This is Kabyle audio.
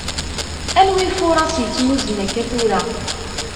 Anwi ifuras yettnuzen akka tura?